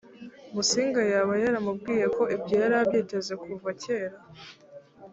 musinga yaba yaramubwiye ko ibyo yari abyiteze kuva kera